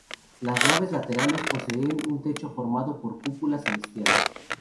Las naves laterales poseen un techo formado por cúpulas celestiales.